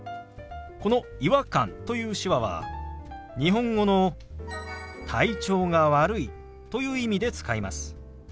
この「違和感」という手話は日本語の「体調が悪い」という意味で使います。